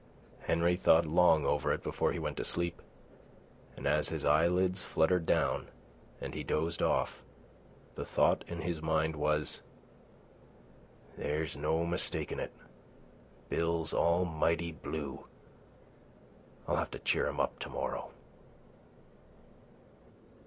Henry thought long over it before he went to sleep, and as his eyelids fluttered down and he dozed off, the thought in his mind was: "There's no mistakin' it, Bill's almighty blue. I'll have to cheer him up to morrow."